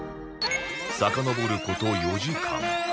さかのぼる事４時間